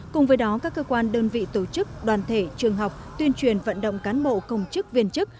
cùng với đó các cơ quan đơn vị tổ chức đoàn thể trường học tuyên truyền vận động cán bộ công chức viên chức